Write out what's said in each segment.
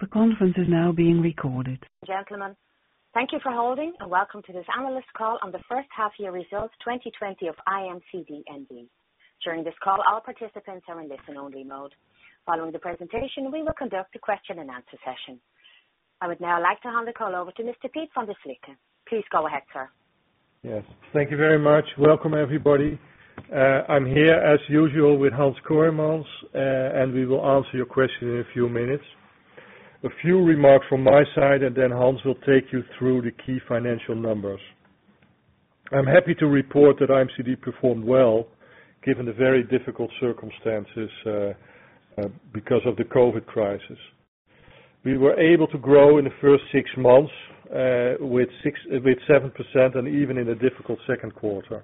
Gentlemen, thank you for holding and welcome to this analyst call on the first half-year results 2020 of IMCD N.V. During this call, all participants are in listen-only mode. Following the presentation, we will conduct a Q&A session. I would now like to hand the call over to Mr. Piet van der Slikke. Please go ahead, sir. Thank you very much. Welcome everybody. I'm here as usual with Hans Kooijmans, and we will answer your question in a few minutes. A few remarks from my side, and then Hans will take you through the key financial numbers. I'm happy to report that IMCD performed well given the very difficult circumstances because of the COVID crisis. We were able to grow in the first six months with 7% and even in a difficult second quarter.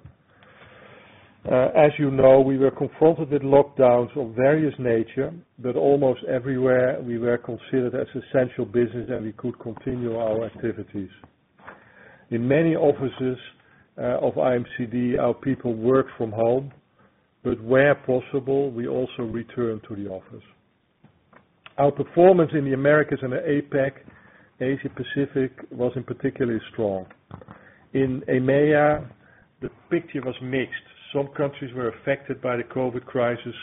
As you know, we were confronted with lockdowns of various nature, but almost everywhere we were considered as essential business and we could continue our activities. In many offices of IMCD, our people work from home, but where possible, we also return to the office. Our performance in the Americas and the APAC, Asia Pacific, wasn't particularly strong. In EMEA, the picture was mixed. Some countries were affected by the COVID crisis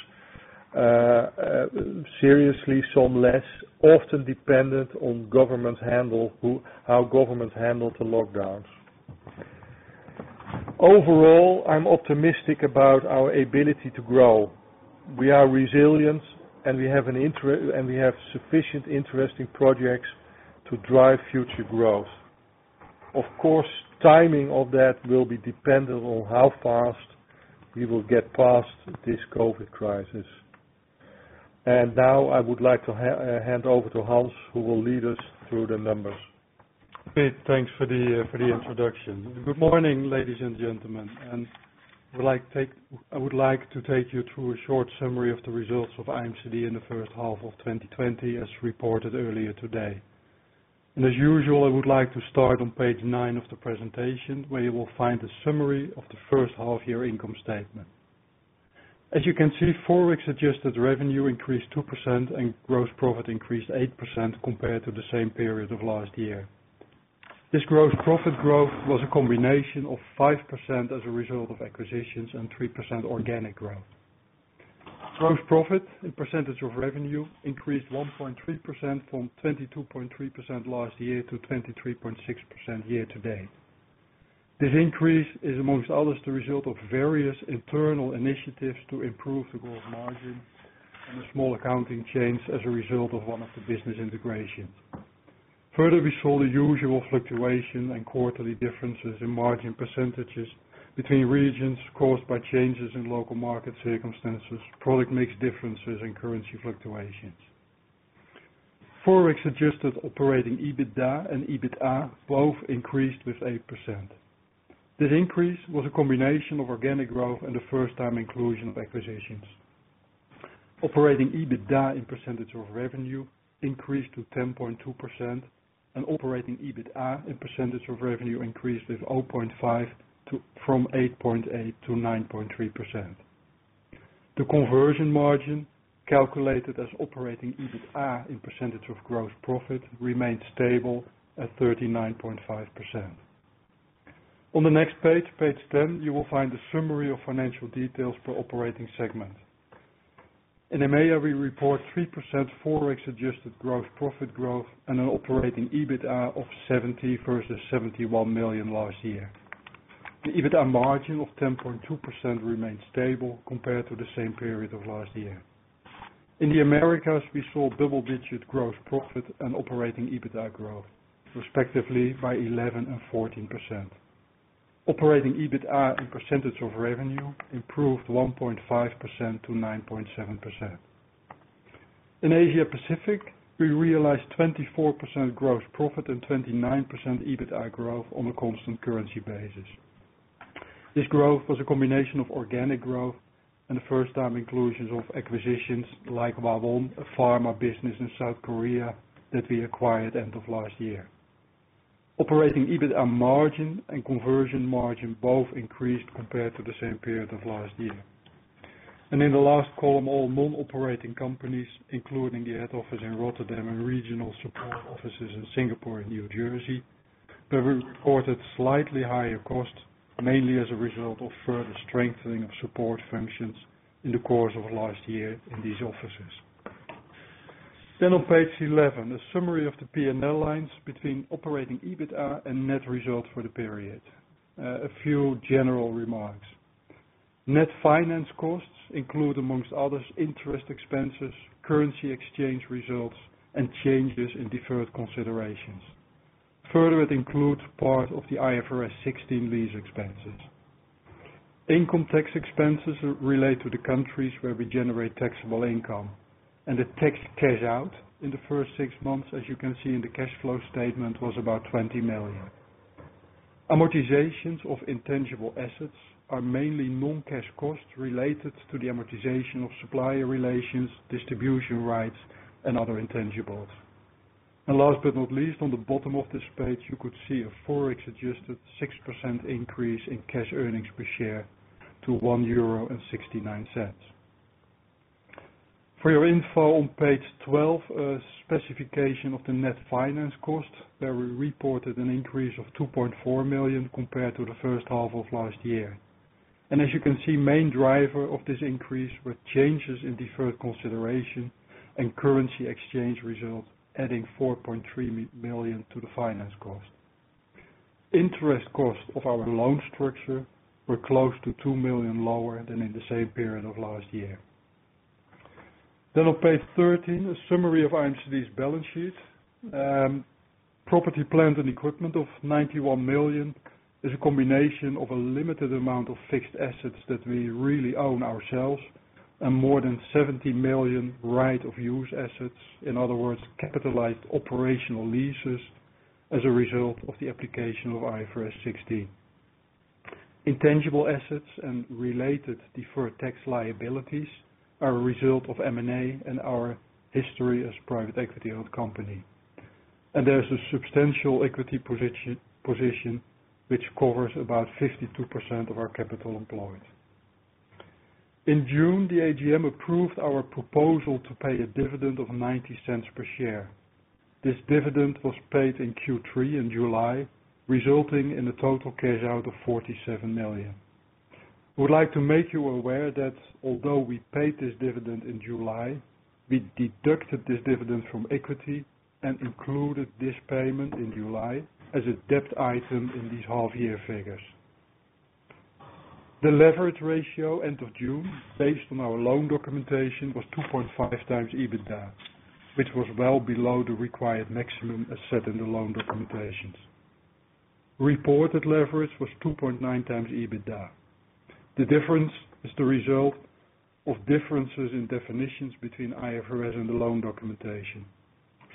seriously, some less, often dependent on how governments handled the lockdowns. Overall, I'm optimistic about our ability to grow. We are resilient, and we have sufficient interesting projects to drive future growth. Of course, timing of that will be dependent on how fast we will get past this COVID crisis. Now, I would like to hand over to Hans, who will lead us through the numbers. Piet, thanks for the introduction. Good morning, ladies and gentlemen, I would like to take you through a short summary of the results of IMCD in the first half of 2020, as reported earlier today. As usual, I would like to start on page nine of the presentation, where you will find a summary of the first half-year income statement. As you can see, Forex adjusted revenue increased 2% and gross profit increased 8% compared to the same period of last year. This gross profit growth was a combination of 5% as a result of acquisitions and 3% organic growth. Gross profit in percentage of revenue increased 1.3% from 22.3% last year to 23.6% year-to-date. This increase is among others, the result of various internal initiatives to improve the gross margin and a small accounting change as a result of one of the business integrations. Further, we saw the usual fluctuation and quarterly differences in margin percentages between regions caused by changes in local market circumstances, product mix differences and currency fluctuations. Forex adjusted operating EBITDA and EBITA both increased with 8%. This increase was a combination of organic growth and the first-time inclusion of acquisitions. Operating EBITDA in percentage of revenue increased to 10.2% and operating EBITA in percentage of revenue increased with 0.5 from 8.8 to 9.3%. The conversion margin, calculated as operating EBITA in percentage of gross profit, remained stable at 39.5%. On the next page 10, you will find a summary of financial details per operating segment. In EMEA, we report 3% Forex adjusted gross profit growth and an operating EBITA of 70 million versus 71 million last year. The EBITA margin of 10.2% remained stable compared to the same period of last year. In the Americas, we saw double-digit gross profit and operating EBITDA growth, respectively by 11% and 14%. Operating EBITA in percentage of revenue improved 1.5% to 9.7%. In Asia Pacific, we realized 24% gross profit and 29% EBITA growth on a constant currency basis. This growth was a combination of organic growth and the first-time inclusions of acquisitions like Whawon, a pharma business in South Korea that we acquired end of last year. Operating EBITA margin and conversion margin both increased compared to the same period of last year. In the last column, all non-operating companies, including the head office in Rotterdam and regional support offices in Singapore and New Jersey, where we reported slightly higher costs, mainly as a result of further strengthening of support functions in the course of last year in these offices. On page 11, a summary of the P&L lines between operating EBITA and net results for the period. A few general remarks. Net finance costs include, among others, interest expenses, currency exchange results, and changes in deferred considerations. Further, it includes part of the IFRS 16 lease expenses. Income tax expenses relate to the countries where we generate taxable income, and the tax cash out in the first six months, as you can see in the cash flow statement, was about 20 million. Amortizations of intangible assets are mainly non-cash costs related to the amortization of supplier relations, distribution rights, and other intangibles. Last but not least, on the bottom of this page, you could see a Forex-adjusted 6% increase in cash earnings per share to 1.69 euro. For your info, on page 12, a specification of the net finance cost where we reported an increase of 2.4 million compared to the first half of last year. As you can see, main driver of this increase were changes in deferred consideration and currency exchange results, adding 4.3 million to the finance cost. Interest cost of our loan structure were close to 2 million lower than in the same period of last year. On page 13, a summary of IMCD's balance sheet. Property, plant, and equipment of 91 million is a combination of a limited amount of fixed assets that we really own ourselves and more than 70 million right-of-use assets, in other words, capitalized operational leases as a result of the application of IFRS 16. Intangible assets and related deferred tax liabilities are a result of M&A and our history as a private equity-owned company. There's a substantial equity position which covers about 52% of our capital employed. In June, the AGM approved our proposal to pay a dividend of 0.90 per share. This dividend was paid in Q3 in July, resulting in a total cash out of 47 million. We would like to make you aware that although we paid this dividend in July, we deducted this dividend from equity and included this payment in July as a debt item in these half-year figures. The leverage ratio end of June, based on our loan documentation, was 2.5x EBITDA, which was well below the required maximum as set in the loan documentations. Reported leverage was 2.9x EBITDA. The difference is the result of differences in definitions between IFRS and the loan documentation.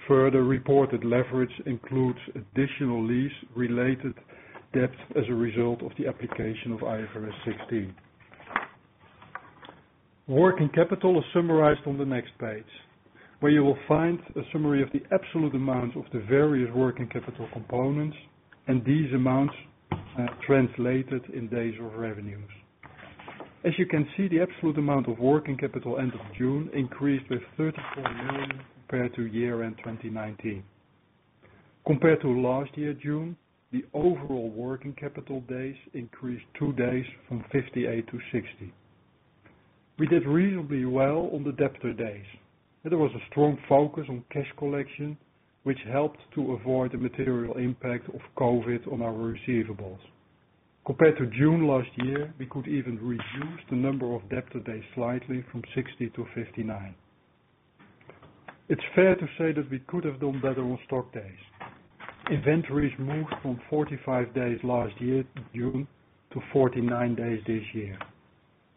Further reported leverage includes additional lease related debt as a result of the application of IFRS 16. Working capital is summarized on the next page, where you will find a summary of the absolute amount of the various working capital components and these amounts translated in days of revenues. As you can see, the absolute amount of working capital end of June increased with 34 million compared to year-end 2019. Compared to last year, June, the overall working capital days increased two days from 58 to 60. We did reasonably well on the debtor days, and there was a strong focus on cash collection, which helped to avoid the material impact of COVID on our receivables. Compared to June last year, we could even reduce the number of debtor days slightly from 60 to 59. It's fair to say that we could have done better on stock days. Inventories moved from 45 days last year, June, to 49 days this year.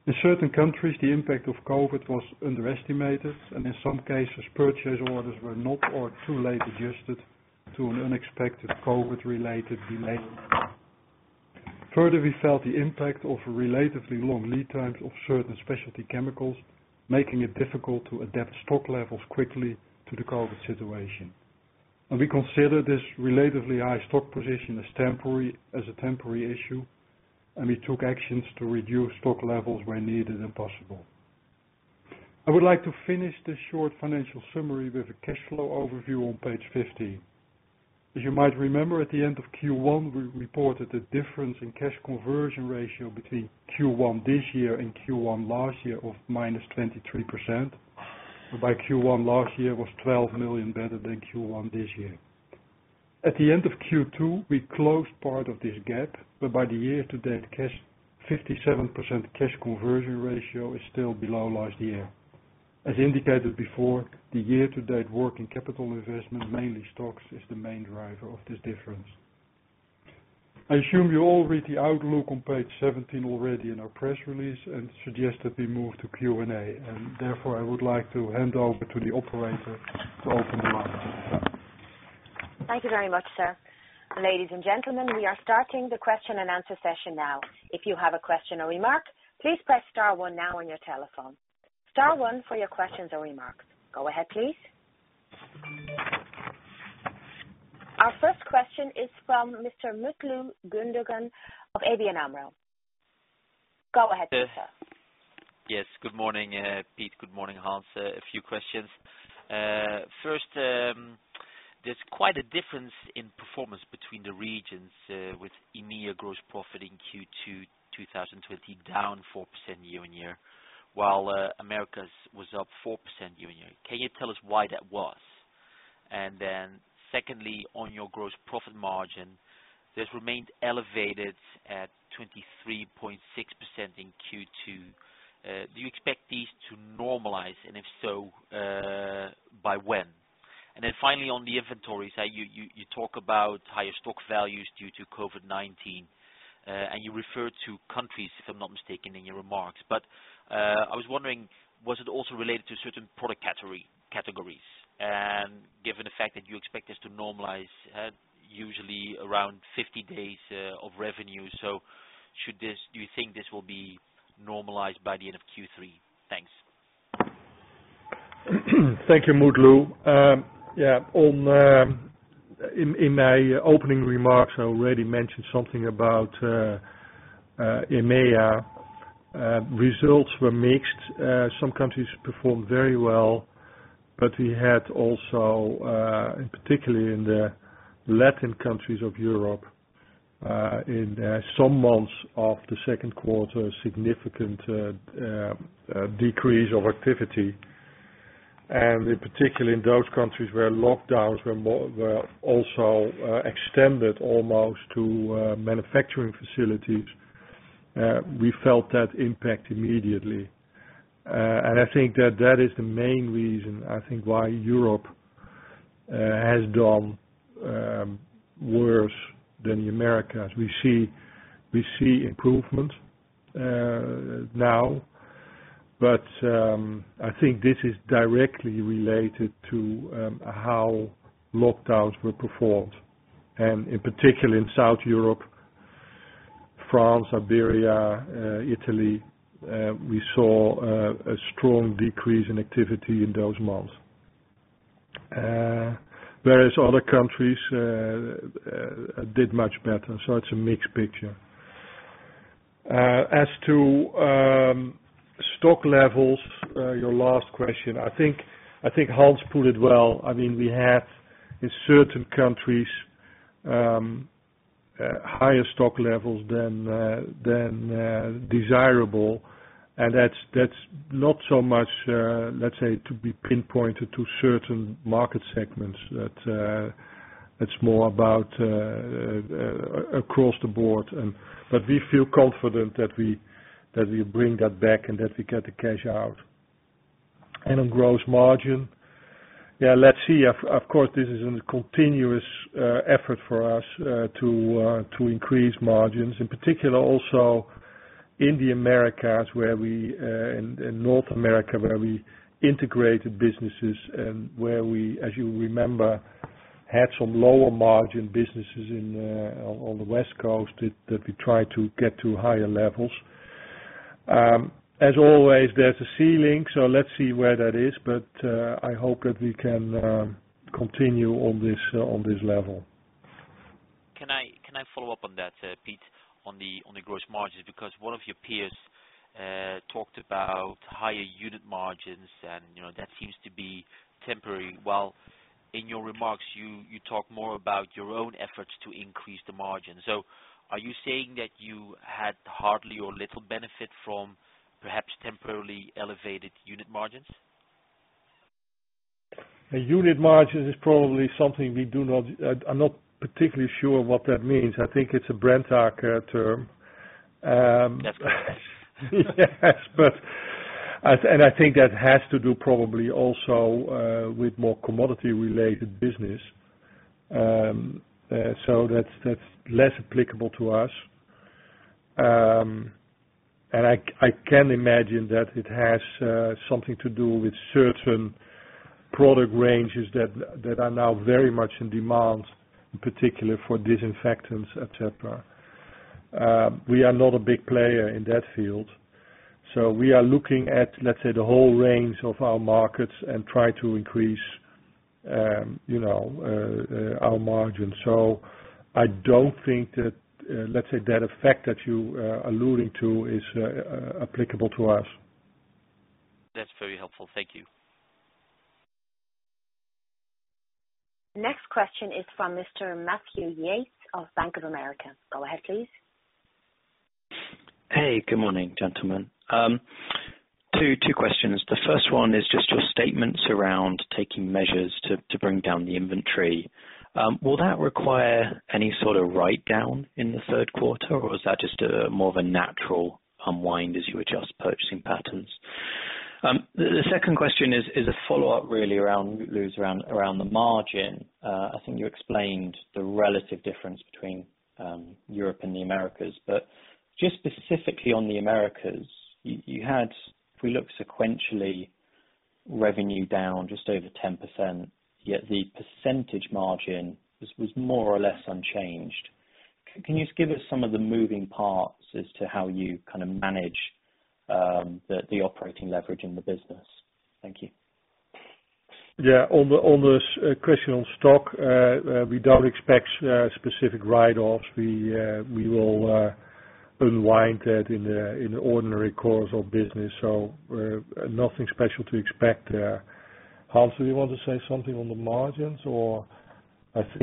In certain countries, the impact of COVID was underestimated, and in some cases, purchase orders were not or too late adjusted to an unexpected COVID-related delay. We felt the impact of relatively long lead times of certain specialty chemicals, making it difficult to adapt stock levels quickly to the COVID situation. We consider this relatively high stock position as a temporary issue, and we took actions to reduce stock levels where needed and possible. I would like to finish this short financial summary with a cash flow overview on page 15. As you might remember, at the end of Q1, we reported a difference in cash conversion ratio between Q1 this year and Q1 last year of -23%, whereby Q1 last year was 12 million better than Q1 this year. At the end of Q2, we closed part of this gap, by the year-to-date, 57% cash conversion ratio is still below last year. As indicated before, the year-to-date working capital investment, mainly stocks, is the main driver of this difference. I assume you all read the outlook on page 17 already in our press release suggest that we move to Q&A, therefore, I would like to hand over to the operator to open the line. Thank you very much, sir. Ladies and gentlemen, we are starting the question and answer session now. If you have a question or remark, please press star one now on your telephone. Star one for your questions or remarks. Go ahead, please. Our first question is from Mr. Mutlu Gündoğan of ABN AMRO. Go ahead, sir. Yes. Good morning, Piet. Good morning, Hans. A few questions. There's quite a difference in performance between the regions, with EMEA gross profit in Q2 2020 down 4% year-on-year, while Americas was up 4% year-on-year. Can you tell us why that was? Secondly, on your gross profit margin, this remained elevated at 23.6% in Q2. Do you expect these to normalize, and if so, by when? Finally, on the inventories, you talk about higher stock values due to COVID-19. You refer to countries, if I'm not mistaken, in your remarks. I was wondering, was it also related to certain product categories? Given the fact that you expect this to normalize at usually around 50 days of revenue, should this, do you think this will be normalized by the end of Q3? Thanks. Thank you, Mutlu. In my opening remarks, I already mentioned something about EMEA. Results were mixed. Some countries performed very well, but we had also, and particularly in the Latin countries of Europe, in some months of the second quarter, significant decrease of activity. In particular, in those countries where lockdowns were also extended almost to manufacturing facilities, we felt that impact immediately. I think that is the main reason, I think why Europe has done worse than the Americas. We see improvement now, but I think this is directly related to how lockdowns were performed. In particular, in South Europe, France, Iberia, Italy, we saw a strong decrease in activity in those months. Other countries did much better. It's a mixed picture. As to stock levels, your last question, I think Hans put it well. We have, in certain countries, higher stock levels than desirable. That's not so much, let's say, to be pinpointed to certain market segments. That's more about across the board. We feel confident that we bring that back and that we get the cash out. On gross margin. Let's see. Of course, this is a continuous effort for us to increase margins, in particular, also in the Americas, in North America, where we integrated businesses and where we, as you remember, had some lower margin businesses on the West Coast that we try to get to higher levels. As always, there's a ceiling, so let's see where that is, but I hope that we can continue on this level. Can I follow up on that, Piet, on the gross margins? One of your peers talked about higher unit margins, and that seems to be temporary, while in your remarks, you talk more about your own efforts to increase the margin. Are you saying that you had hardly or little benefit from perhaps temporarily elevated unit margins? A unit margin is probably something I'm not particularly sure what that means. I think it's a Brenntag term. Yes. Yes. I think that has to do probably also with more commodity-related business. That's less applicable to us. I can imagine that it has something to do with certain product ranges that are now very much in demand, in particular for disinfectants, et cetera. We are not a big player in that field, so we are looking at, let's say, the whole range of our markets and try to increase our margin. I don't think that, let's say that effect that you are alluding to is applicable to us. That's very helpful. Thank you. Next question is from Mr. Matthew Yates of Bank of America. Go ahead, please. Hey, good morning, gentlemen. Two questions. The first one is just your statements around taking measures to bring down the inventory. Will that require any sort of write-down in the third quarter, or is that just a more of a natural unwind as you adjust purchasing patterns? The second question is a follow-up, really, Mutlu, around the margin. I think you explained the relative difference between Europe and the Americas, but just specifically on the Americas, you had, if we look sequentially, revenue down just over 10%, yet the percentage margin was more or less unchanged. Can you just give us some of the moving parts as to how you manage the operating leverage in the business? Thank you. On the question on stock, we don't expect specific write-offs. We will unwind that in the ordinary course of business. Nothing special to expect there. Hans, do you want to say something on the margins? It's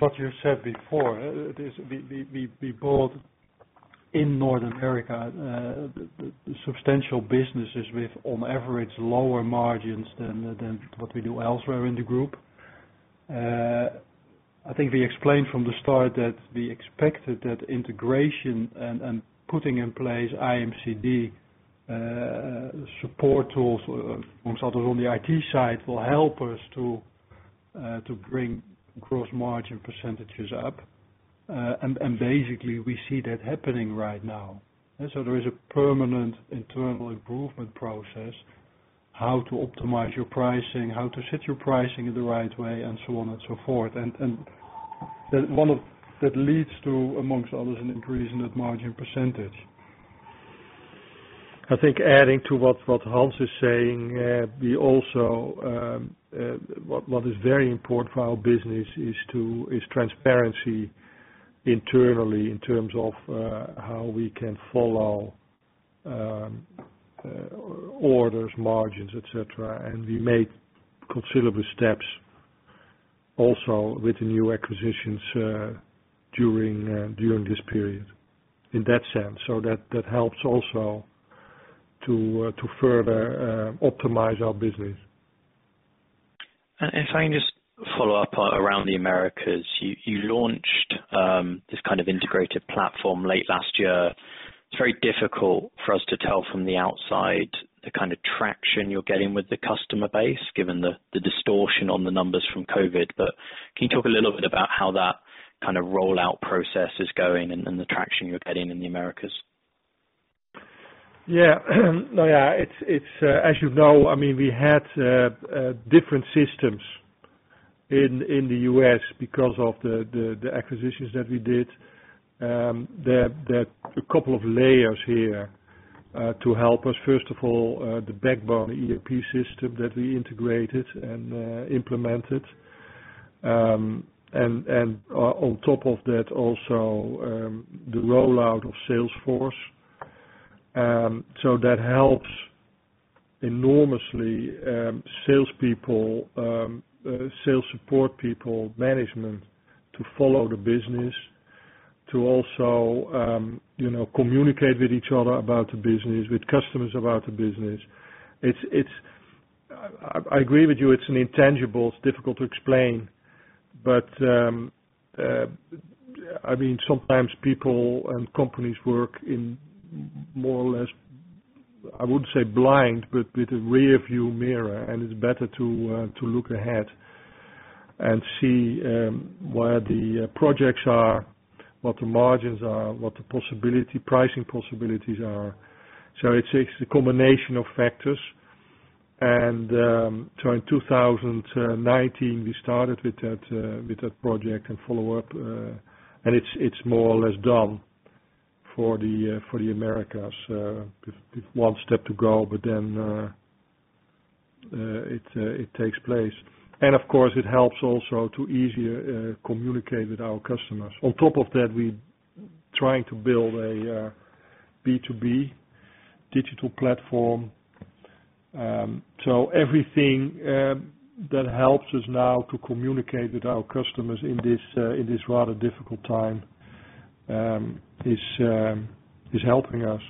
what you said before. We bought in North America, substantial businesses with, on average, lower margins than what we do elsewhere in the group. I think we explained from the start that we expected that integration and putting in place IMCD support tools, among others, on the IT side, will help us to bring gross margin percentages up. Basically, we see that happening right now. There is a permanent internal improvement process How to optimize your pricing, how to set your pricing in the right way, and so on and so forth. That leads to, amongst others, an increase in that margin percentage. I think adding to what Hans is saying, what is very important for our business is transparency internally in terms of how we can follow orders, margins, et cetera. We made considerable steps also with the new acquisitions during this period in that sense. That helps also to further optimize our business. If I can just follow up around the Americas. You launched this kind of integrated platform late last year. It's very difficult for us to tell from the outside the kind of traction you're getting with the customer base, given the distortion on the numbers from COVID. Can you talk a little bit about how that kind of rollout process is going and the traction you're getting in the Americas? As you know, we had different systems in the U.S. because of the acquisitions that we did. There are a couple of layers here to help us. First of all, the backbone ERP system that we integrated and implemented, and on top of that, also the rollout of Salesforce. That helps enormously salespeople, sales support people, management, to follow the business, to also communicate with each other about the business, with customers about the business. I agree with you, it's an intangible. It's difficult to explain, but sometimes people and companies work in more or less, I wouldn't say blind, but with a rearview mirror, and it's better to look ahead and see where the projects are, what the margins are, what the pricing possibilities are. It takes a combination of factors, and so in 2019, we started with that project and follow-up, and it's more or less done for the Americas. One step to go, but then it takes place. Of course, it helps also to easier communicate with our customers. On top of that, we trying to build a B2B digital platform. Everything that helps us now to communicate with our customers in this rather difficult time is helping us.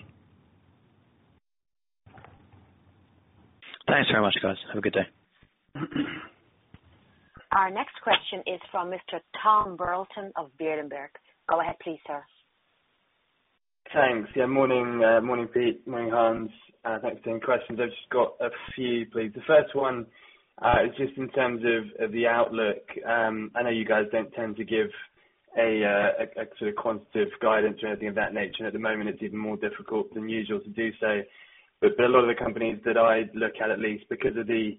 Thanks very much, guys. Have a good day. Our next question is from Mr. Tom Burlton of Berenberg. Go ahead please, sir. Thanks. Yeah, morning, Piet. Morning, Hans. Thanks for taking the questions. I've just got a few, please. The first one is just in terms of the outlook. I know you guys don't tend to give a sort of quantitative guidance or anything of that nature. At the moment, it's even more difficult than usual to do so. A lot of the companies that I look at least because of the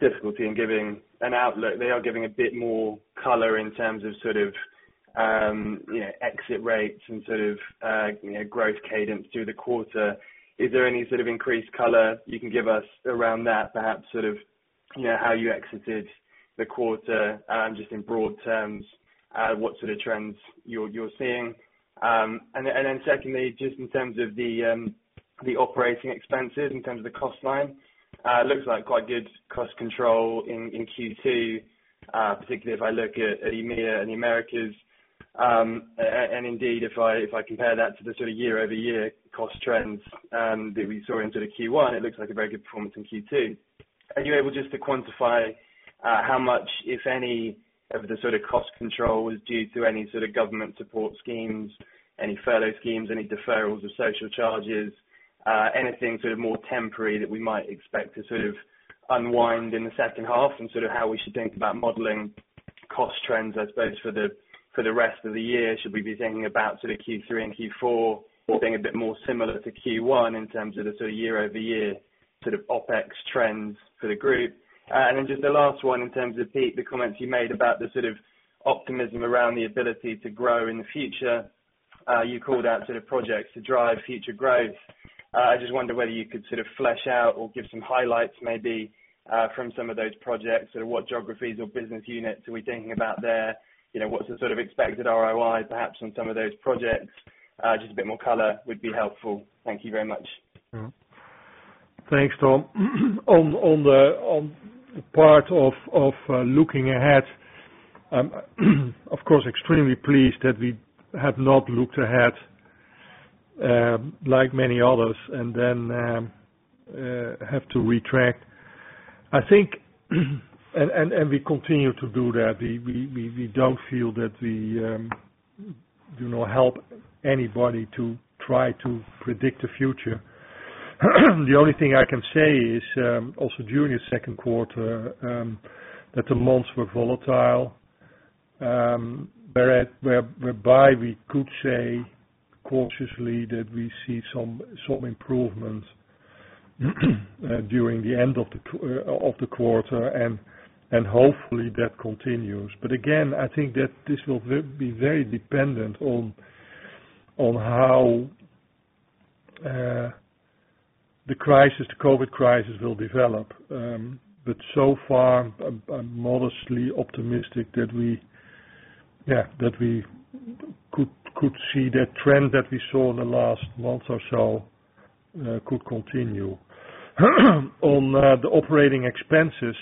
difficulty in giving an outlook, they are giving a bit more color in terms of sort of exit rates and sort of growth cadence through the quarter. Is there any sort of increased color you can give us around that? Perhaps sort of how you exited the quarter, just in broad terms, what sort of trends you're seeing. Secondly, just in terms of the operating expenses, in terms of the cost line, looks like quite good cost control in Q2, particularly if I look at EMEA and the Americas. Indeed, if I compare that to the sort of year-over-year cost trends that we saw into the Q1, it looks like a very good performance in Q2. Are you able just to quantify how much, if any, of the sort of cost control was due to any sort of government support schemes, any furlough schemes, any deferrals of social charges, anything sort of more temporary that we might expect to sort of unwind in the second half and sort of how we should think about modeling cost trends, I suppose, for the rest of the year? Should we be thinking about sort of Q3 and Q4 being a bit more similar to Q1 in terms of the sort of year-over-year, sort of OpEx trends for the group? Then just the last one in terms of, Piet, the comments you made about the sort of optimism around the ability to grow in the future. You called out sort of projects to drive future growth. I just wonder whether you could sort of flesh out or give some highlights maybe from some of those projects, sort of what geographies or business units are we thinking about there. What's the sort of expected ROI, perhaps, on some of those projects? Just a bit more color would be helpful. Thank you very much. Thanks, Tom. On the part of looking ahead, of course, extremely pleased that we have not looked ahead, like many others, and then have to retract. We continue to do that. We don't feel that we help anybody to try to predict the future. The only thing I can say is, also during the second quarter, that the months were volatile, whereby we could say cautiously that we see some improvement during the end of the quarter and hopefully that continues. Again, I think that this will be very dependent on how the COVID crisis will develop. So far, I'm modestly optimistic that we could see that trend that we saw in the last month or so could continue. On the operating expenses,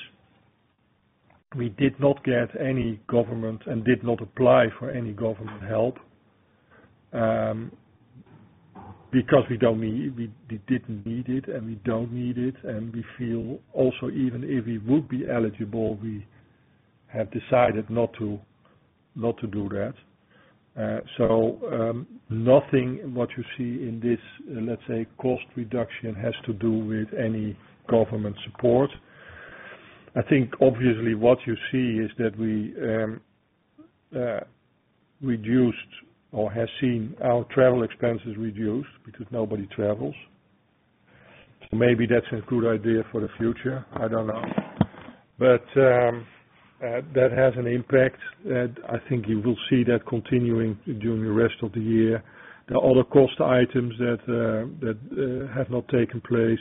we did not get any government and did not apply for any government help, because we didn't need it, and we don't need it. We feel also even if we would be eligible, we have decided not to do that. Nothing what you see in this, let's say, cost reduction has to do with any government support. I think obviously what you see is that we reduced or have seen our travel expenses reduce because nobody travels. Maybe that's a good idea for the future. I don't know. That has an impact. I think you will see that continuing during the rest of the year. There are other cost items that have not taken place.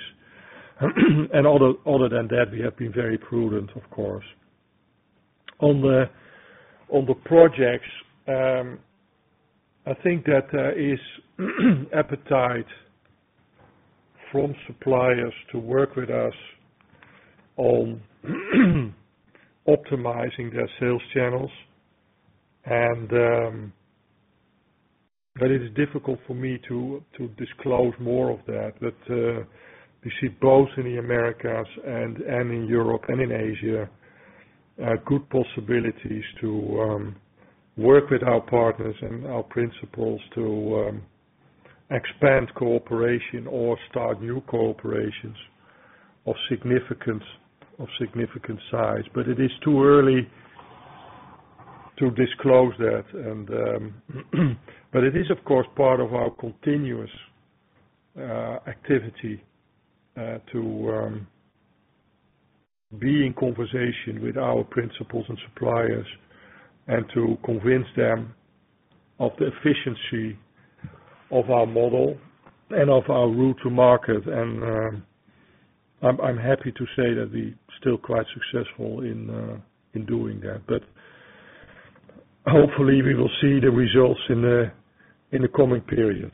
Other than that, we have been very prudent, of course. On the projects, I think that there is appetite from suppliers to work with us on optimizing their sales channels. It is difficult for me to disclose more of that. We see both in the Americas and in Europe and in Asia, good possibilities to work with our partners and our principals to expand cooperation or start new cooperations of significant size. It is too early to disclose that but it is, of course, part of our continuous activity to be in conversation with our principals and suppliers, and to convince them of the efficiency of our model and of our route to market. I'm happy to say that we're still quite successful in doing that. Hopefully we will see the results in the coming period.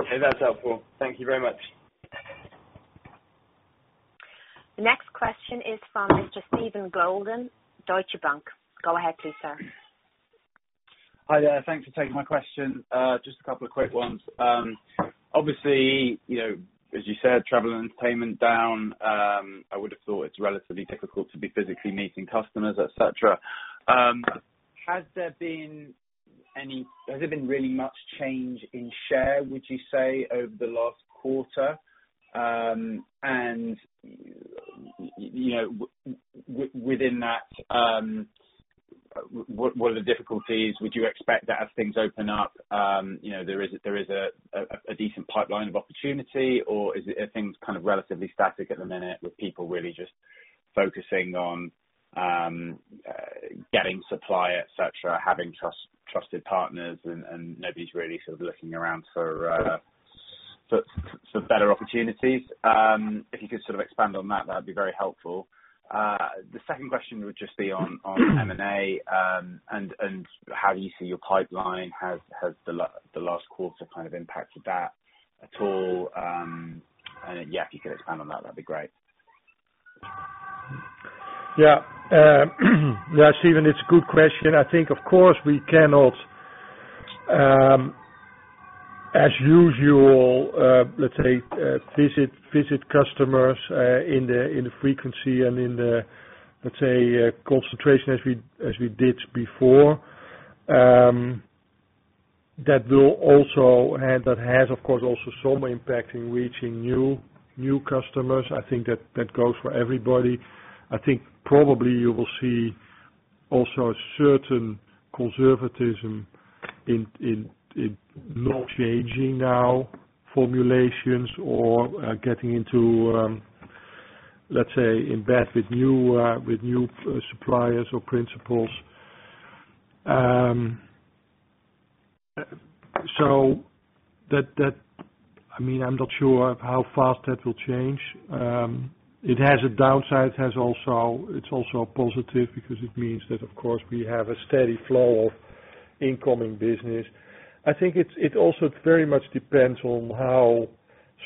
Okay. That's helpful. Thank you very much. The next question is from Mr. Stephen Golden, Deutsche Bank. Go ahead, please, sir. Hi there. Thanks for taking my question. Just a couple of quick ones. Obviously, as you said, travel and entertainment down. I would have thought it's relatively difficult to be physically meeting customers, et cetera. Has there been really much change in share, would you say, over the last quarter? Within that, what are the difficulties? Would you expect that as things open up, there is a decent pipeline of opportunity, or are things relatively static at the minute with people really just focusing on getting supply, et cetera, having trusted partners and nobody's really looking around for better opportunities? If you could expand on that'd be very helpful. The second question would just be on M&A, and how you see your pipeline. Has the last quarter impacted that at all? If you could expand on that'd be great. Yeah. Stephen, it's a good question. I think, of course, we cannot, as usual, let's say, visit customers in the frequency and in the, let's say, concentration as we did before. That has, of course, also some impact in reaching new customers. I think that goes for everybody. I think probably you will see also a certain conservatism in not changing now formulations or getting into, let's say, in bed with new suppliers or principals. I mean, I'm not sure how fast that will change. It has a downside. It's also a positive because it means that, of course, we have a steady flow of incoming business. I think it also very much depends on how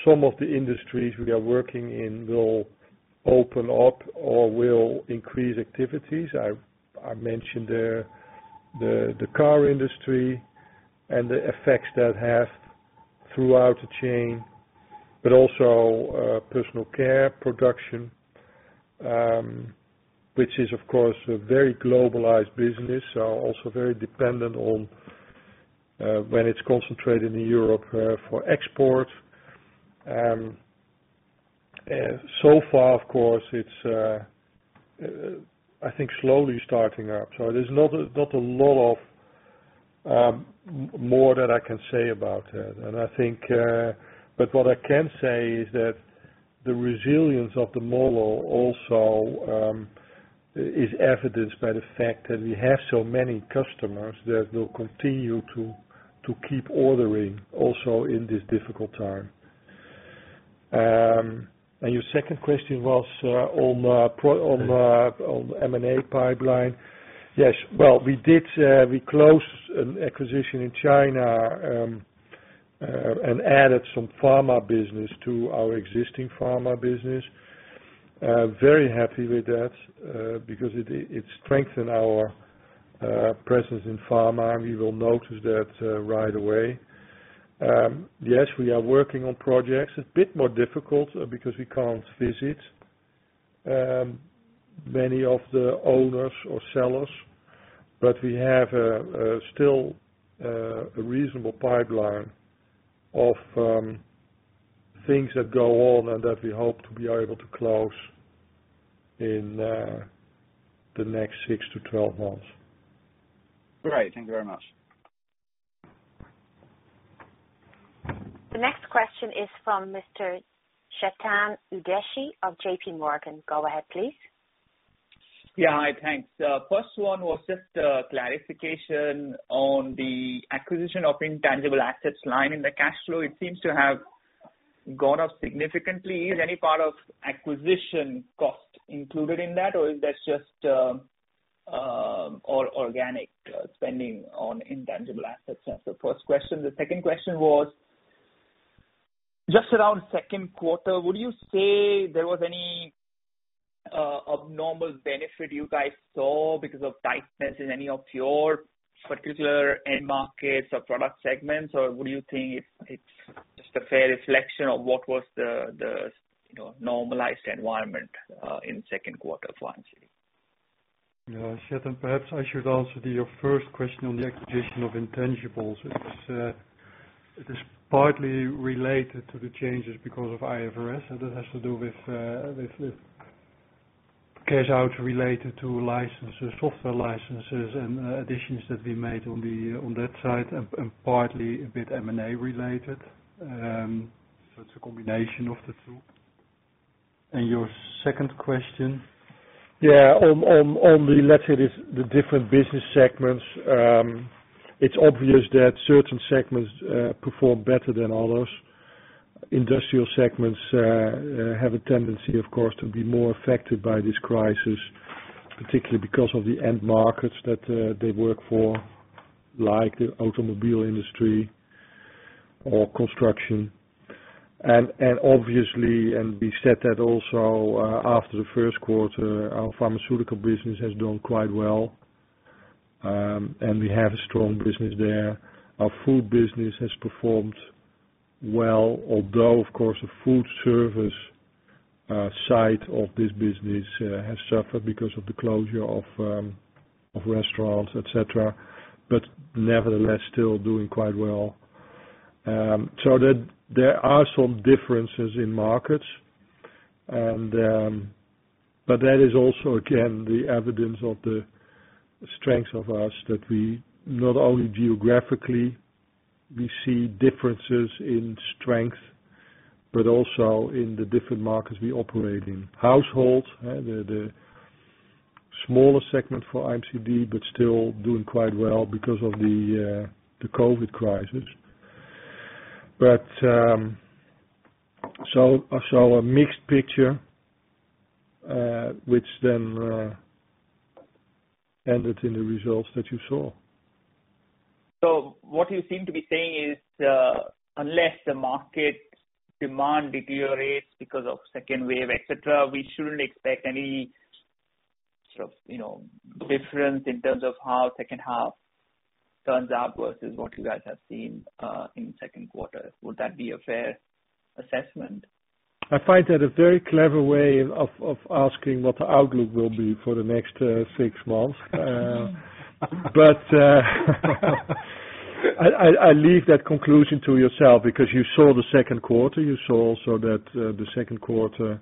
some of the industries we are working in will open up or will increase activities. I mentioned the car industry and the effects that have throughout the chain, but also personal care production, which is, of course, a very globalized business, so also very dependent on when it's concentrated in Europe for export. So far, of course, it's, I think, slowly starting up. There's not a lot more that I can say about that. What I can say is that the resilience of the model also is evidenced by the fact that we have so many customers that will continue to keep ordering, also in this difficult time. Your second question was on the M&A pipeline. Yes. Well, we closed an acquisition in China, and added some pharma business to our existing pharma business. Very happy with that, because it strengthened our presence in pharma, and you will notice that right away. Yes, we are working on projects. A bit more difficult because we can't visit many of the owners or sellers, but we have still a reasonable pipeline of things that go on and that we hope to be able to close in the next 6-12 months. Great. Thank you very much. The next question is from Mr. Chetan Udeshi of JPMorgan. Go ahead, please. Yeah. Hi, thanks. First one was just a clarification on the acquisition of intangible assets line in the cash flow. It seems to have gone up significantly. Is any part of acquisition cost included in that, or is that just all organic spending on intangible assets? That's the first question. The second question was just around second quarter. Would you say there was any abnormal benefit you guys saw because of tightness in any of your particular end markets or product segments, or would you think it's just a fair reflection of what was the normalized environment in second quarter for IMCD? Yeah, Chetan, perhaps I should answer your first question on the acquisition of intangibles. It is partly related to the changes because of IFRS, and that has to do with cash out related to licenses, software licenses, and additions that we made on that side, and partly a bit M&A-related. It's a combination of the two. Your second question? On, let's say, the different business segments. It's obvious that certain segments perform better than others. Industrial segments have a tendency, of course, to be more affected by this crisis, particularly because of the end markets that they work for, like the automobile industry or construction. Obviously, and we said that also after the first quarter, our pharmaceutical business has done quite well, and we have a strong business there. Our food business has performed well, although, of course, the food service side of this business has suffered because of the closure of restaurants, et cetera. Nevertheless, still doing quite well. There are some differences in markets, but that is also, again, the evidence of the strength of us that we, not only geographically, we see differences in strength, but also in the different markets we operate in. Households, the smaller segment for IMCD, but still doing quite well because of the COVID crisis. A mixed picture, which then ended in the results that you saw. What you seem to be saying is, unless the market demand deteriorates because of second wave, et cetera, we shouldn't expect any sort of difference in terms of how second half turns out versus what you guys have seen in second quarter. Would that be a fair assessment? I find that a very clever way of asking what the outlook will be for the next six months. I leave that conclusion to yourself because you saw the second quarter. You saw also that the second quarter,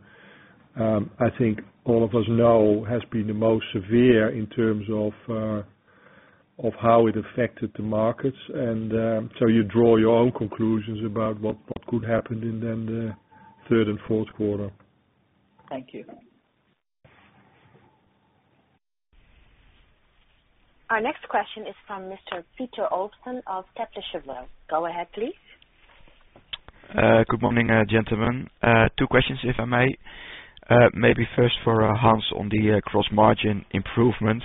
I think all of us know, has been the most severe in terms of how it affected the markets. You draw your own conclusions about what could happen in the third and fourth quarter. Thank you. Our next question is from Mr. Piet-Hein Olsthoorn of KBC Securities. Go ahead, please. Good morning, gentlemen. Two questions, if I may. Maybe first for Hans on the cross margin improvement.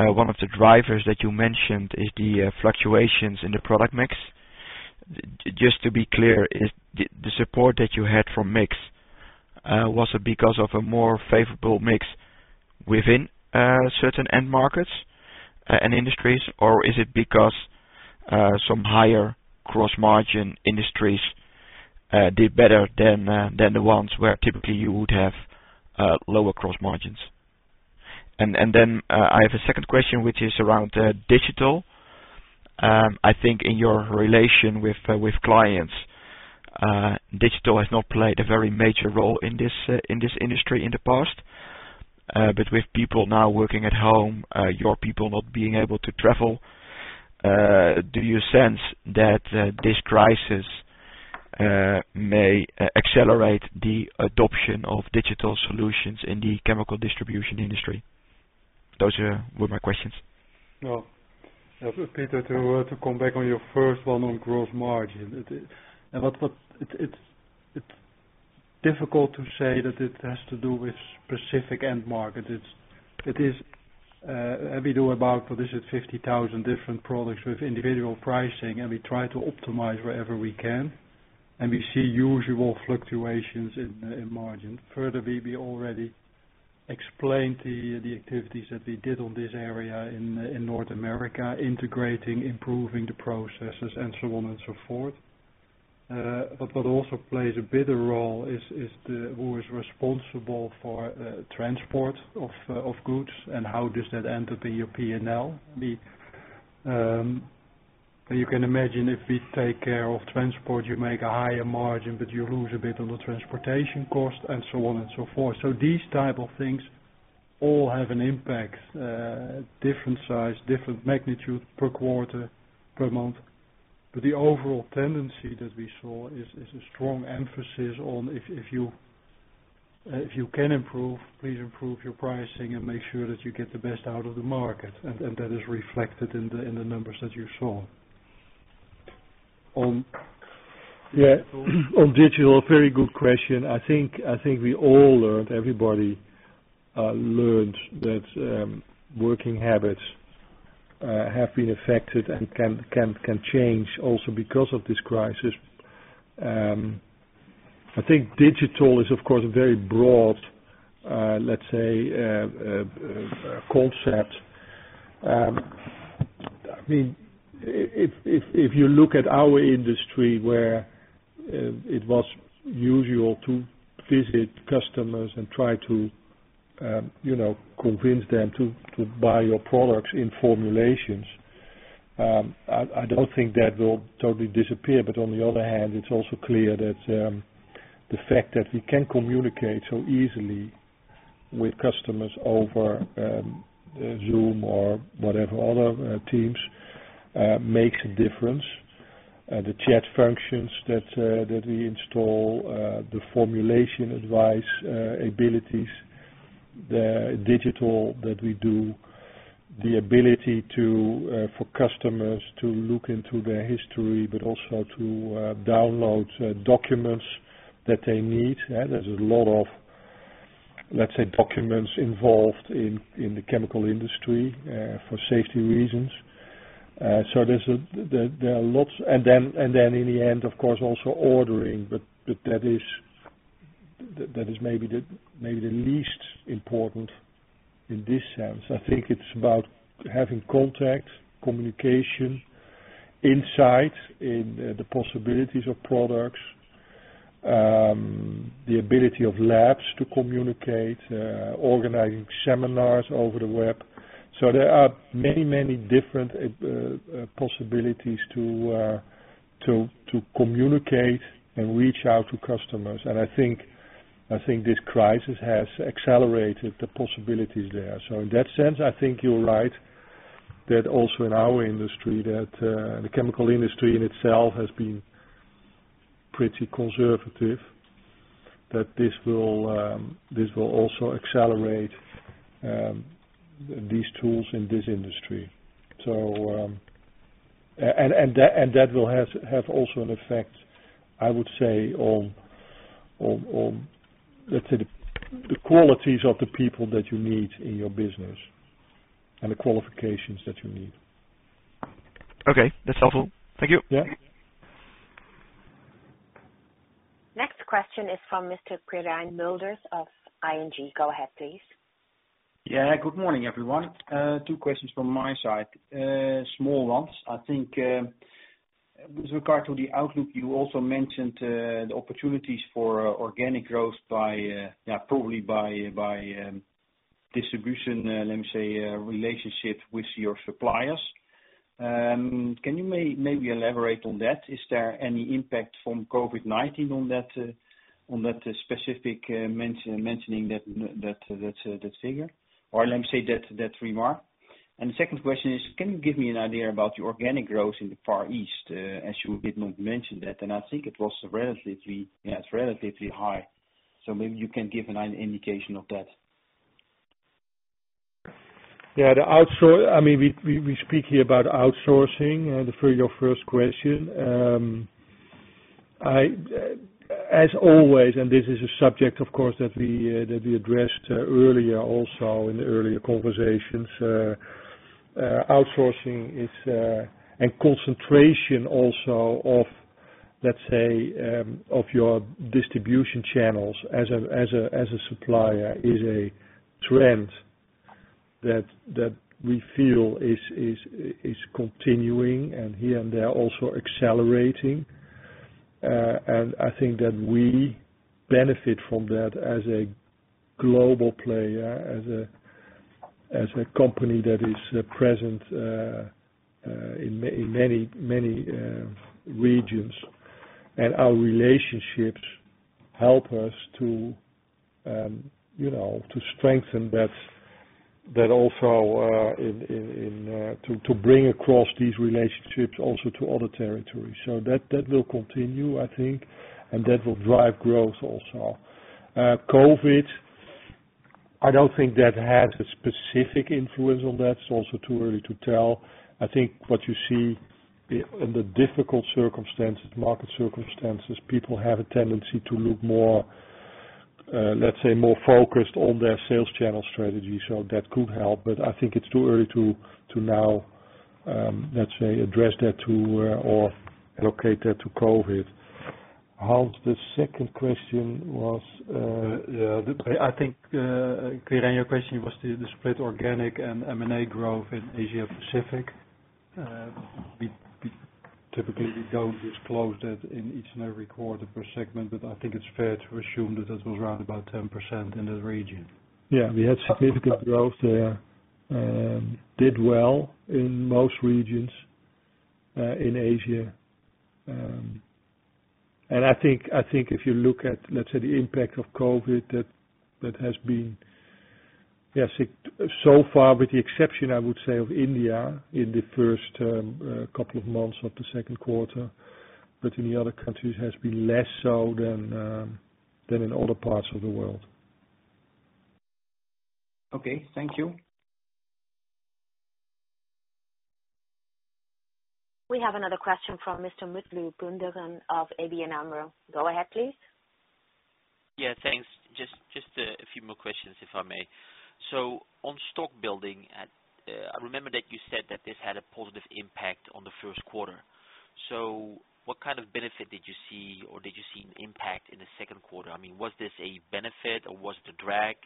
One of the drivers that you mentioned is the fluctuations in the product mix. Just to be clear, the support that you had from mix, was it because of a more favorable mix within certain end markets and industries, or is it because some higher cross margin industries did better than the ones where typically you would have lower gross margins? I have a second question, which is around digital. I think in your relation with clients, digital has not played a very major role in this industry in the past. With people now working at home, your people not being able to travel, do you sense that this crisis may accelerate the adoption of digital solutions in the chemical distribution industry? Those were my questions. Well, Piet, to come back on your first one on gross margin. It's difficult to say that it has to do with specific end market. We do about 50,000 different products with individual pricing, and we try to optimize wherever we can, and we see usual fluctuations in margin. Furthermore, we already explained the activities that we did on this area in North America, integrating, improving the processes, and so on and so forth. What also plays a bigger role is who is responsible for transport of goods and how does that enter the P&L. You can imagine if we take care of transport, you make a higher margin, but you lose a bit on the transportation cost, and so on and so forth. These type of things all have an impact, different size, different magnitude per quarter, per month. The overall tendency that we saw is a strong emphasis on if you can improve, please improve your pricing and make sure that you get the best out of the market. That is reflected in the numbers that you saw. On digital, very good question. I think we all learned, everybody learned, that working habits have been affected and can change also because of this crisis. I think digital is, of course, a very broad, let's say, concept. If you look at our industry, where it was usual to visit customers and try to convince them to buy your products in formulations. I don't think that will totally disappear, but on the other hand, it's also clear that the fact that we can communicate so easily with customers over Zoom or whatever other teams, makes a difference. The chat functions that we install, the formulation advice, abilities, the digital that we do, the ability for customers to look into their history, but also to download documents that they need. There's a lot of, let's say, documents involved in the chemical industry for safety reasons. There are lots. Then in the end, of course, also ordering, but that is maybe the least important in this sense. I think it's about having contact, communication, insight in the possibilities of products, the ability of labs to communicate, organizing seminars over the web. There are many, many different possibilities to communicate and reach out to customers. I think this crisis has accelerated the possibilities there. In that sense, I think you're right, that also in our industry, that the chemical industry in itself has been pretty conservative, that this will also accelerate these tools in this industry. That will have also an effect, I would say, on the qualities of the people that you need in your business and the qualifications that you need. Okay. That's helpful. Thank you. Yeah. Next question is from Mr. Quirijn Mulder of ING. Go ahead, please. Yeah. Good morning, everyone. Two questions from my side. Small ones. I think with regard to the outlook, you also mentioned the opportunities for organic growth probably by distribution, let me say, relationship with your suppliers. Can you maybe elaborate on that? Is there any impact from COVID-19 on that specific mentioning that figure, or let me say that remark? The second question is, can you give me an idea about your organic growth in the Far East? As you did not mention that, and I think it's relatively high. Maybe you can give an indication of that. We speak here about outsourcing, for your first question. As always, this is a subject, of course, that we addressed earlier also in earlier conversations, outsourcing and concentration also of your distribution channels as a supplier is a trend that we feel is continuing and here and there also accelerating. I think that we benefit from that as a global player, as a company that is present in many regions. Our relationships help us to strengthen that also, to bring across these relationships also to other territories. That will continue, I think, and that will drive growth also. COVID, I don't think that has a specific influence on that. It's also too early to tell. I think what you see in the difficult market circumstances, people have a tendency to look more, let's say, more focused on their sales channel strategy. That could help, but I think it's too early to now, let's say, address that or allocate that to COVID. Hans, the second question was- I think, Quirijn, your question was the split organic and M&A growth in Asia Pacific. Typically, we don't disclose that in each and every quarter per segment, but I think it's fair to assume that was around about 10% in that region. Yeah. We had significant growth there. Did well in most regions in Asia. I think if you look at, let's say, the impact of COVID, that has been, so far, with the exception, I would say, of India in the first term, couple of months of the second quarter, but in the other countries has been less so than in other parts of the world. Okay. Thank you. We have another question from Mr. Mutlu Gündoğan of ABN AMRO. Go ahead, please. Yeah. Thanks. Just a few more questions, if I may. On stock building, I remember that you said that this had a positive impact on the first quarter. What kind of benefit did you see, or did you see an impact in the second quarter? Was this a benefit or was it a drag,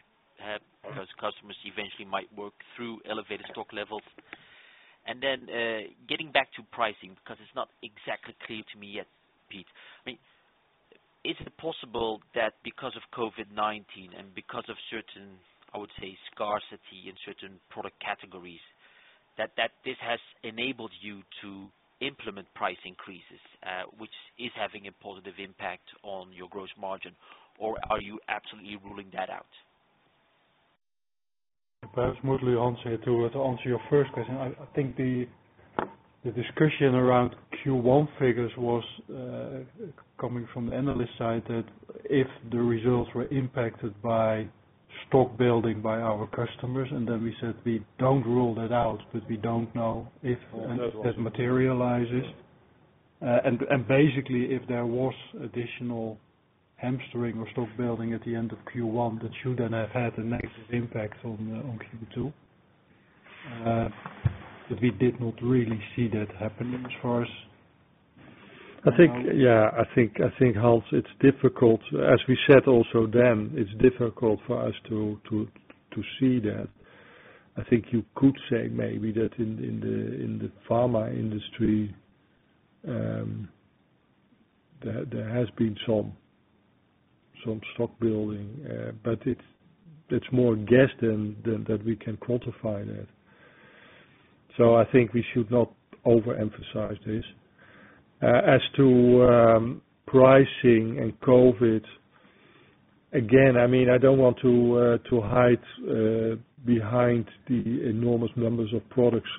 because customers eventually might work through elevated stock levels? Then, getting back to pricing, because it's not exactly clear to me yet, Piet. Is it possible that because of COVID-19 and because of certain, I would say, scarcity in certain product categories, that this has enabled you to implement price increases, which is having a positive impact on your gross margin, or are you absolutely ruling that out? Perhaps, Mutlu, to answer your first question. I think the discussion around Q1 figures was coming from the analyst side that if the results were impacted by stock building by our customers, we said we don't rule that out, but we don't know if that materializes. Basically, if there was additional hoarding or stock building at the end of Q1, that should then have had a negative impact on Q2. We did not really see that happening for us. I think, Hans, it's difficult. As we said also, it's difficult for us to see that. I think you could say maybe that in the pharma industry, there has been some stock building. It's more guess than we can quantify that. I think we should not overemphasize this. As to pricing and COVID, again, I don't want to hide behind the enormous numbers of products.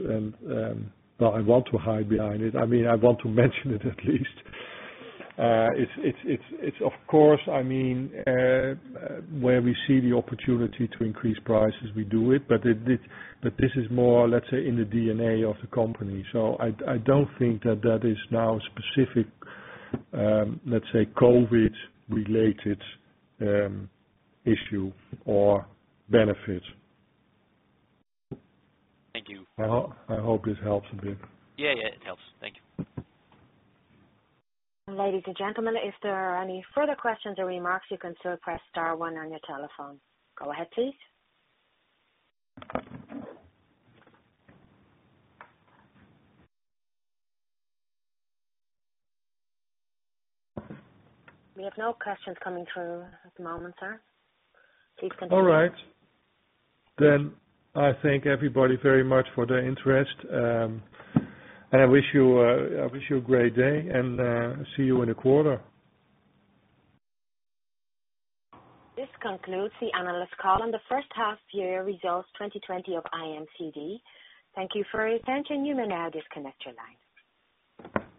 Well, I want to hide behind it. I want to mention it at least. Where we see the opportunity to increase prices, we do it. This is more, let's say, in the DNA of the company. I don't think that is now specific, let's say, COVID-related issue or benefit. Thank you. I hope this helps a bit. Yeah. It helps. Thank you. Ladies and gentlemen, if there are any further questions or remarks, you can still press star one on your telephone. Go ahead, please. We have no questions coming through at the moment, sir. Please continue. All right. I thank everybody very much for their interest. I wish you a great day, and see you in a quarter. This concludes the analyst call on the first half year results 2020 of IMCD. Thank you for your attention. You may now disconnect your line.